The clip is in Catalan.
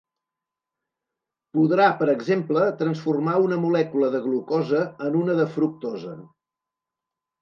Podrà, per exemple, transformar una molècula de glucosa en una de fructosa.